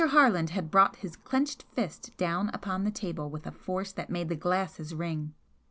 Harland had brought his clenched fist down upon the table with a force that made the glasses ring.